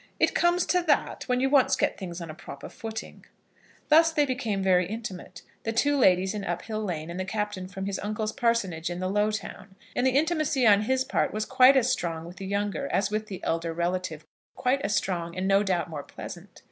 It comes to that when you once get things on a proper footing." They thus became very intimate, the two ladies in Uphill Lane and the Captain from his uncle's parsonage in the Lowtown; and the intimacy on his part was quite as strong with the younger as with the elder relative, quite as strong, and no doubt more pleasant.